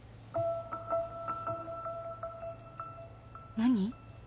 何？